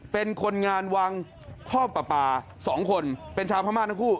เป็นคนงานวางท่อปลาปลา๒คนเป็นชาวพม่าทั้งคู่